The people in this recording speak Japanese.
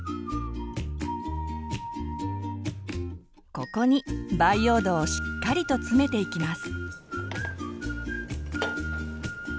ここに培養土をしっかりと詰めていきます。